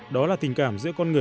đó là tình cảm giữa con người